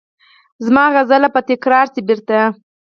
زما سندره به تکرار شي بیرته